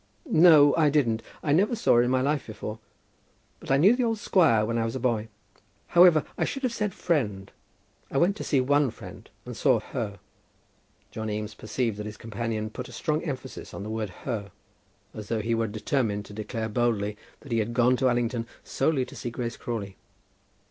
"No, I didn't. I never saw her in my life before. But I knew the old squire when I was a boy. However, I should have said friend. I went to see one friend, and I saw her." John Eames perceived that his companion put a strong emphasis on the word "her," as though he were determined to declare boldly that he had gone to Allington solely to see Grace Crawley.